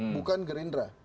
dua bukan gerindra